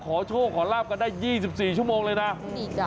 ขอโชคขอราภกันได้๒๔ชั่วโมงเลยน่ะนี่ค่ะ